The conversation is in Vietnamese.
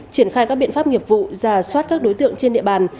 triển khai các biện pháp nghiệp vụ giả soát các đối tượng trên địa bàn